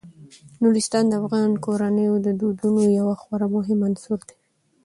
نورستان د افغان کورنیو د دودونو یو خورا مهم عنصر دی.